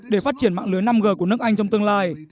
để phát triển mạng lưới năm g của nước anh trong tương lai